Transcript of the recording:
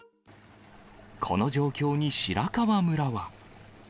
この状況に白川村は。